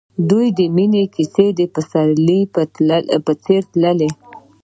د دوی د مینې کیسه د پسرلی په څېر تلله.